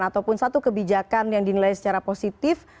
ataupun satu kebijakan yang dinilai secara positif